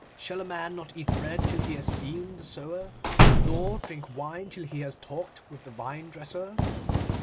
Shall a man not eat bread till he has seen the sower, nor drink wine till he has talked with the vinedresser?